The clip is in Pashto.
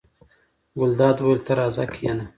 ګلداد وویل: ته راځه کېنه.